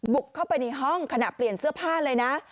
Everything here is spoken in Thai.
บุกเข้าไปในห้องขณะเปลี่ยนเสื้อผ้าเลยนะ